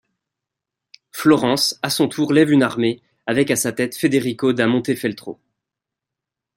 Florence, à son tour lève une armée, avec à sa tête Federico da Montefeltro.